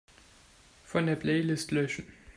Von der Playlist löschen.